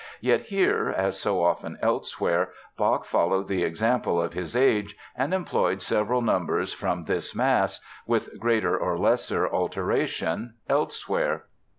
Yet here, as so often elsewhere, Bach followed the example of his age and employed several numbers from this Mass—with greater or lesser alteration—elsewhere.